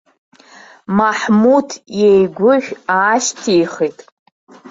Маҳмуҭ иеигәышә аашьҭихит.